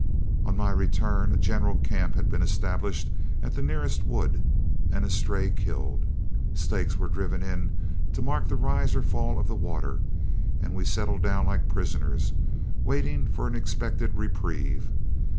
On my return a general camp had been established at the nearest wood, and a stray killed. Stakes were driven to mark the rise or fall of the water, and we settled down like prisoners, waiting for an expected reprieve.